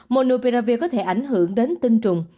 monopiravir có thể ảnh hưởng đến tinh trùng